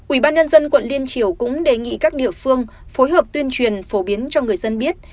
ủy ban nhân dân quận liên triều cũng đề nghị các địa phương phối hợp tuyên truyền phổ biến cho người dân biết